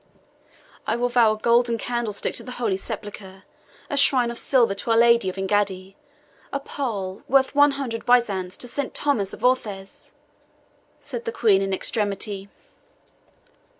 "I will vow a golden candlestick to the Holy Sepulchre, a shrine of silver to our Lady of Engaddi, a pall, worth one hundred byzants, to Saint Thomas of Orthez," said the Queen in extremity.